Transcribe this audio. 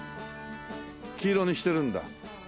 黄色にしてるんだ。